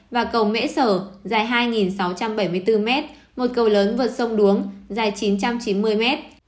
và cầu mễ sở dài hai sáu trăm bảy mươi bốn mét một cầu lớn vượt sông đuống dài chín trăm chín mươi mét